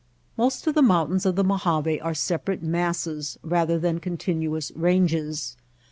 Most of the mountains of the Mojave are separate masses rather than continuous ranges.